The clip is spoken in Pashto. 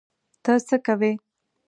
ته څه کوې؟